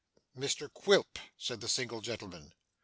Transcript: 'Mr Quilp,' said the single gentleman.